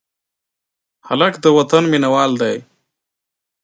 هلک د وطن مینه وال دی.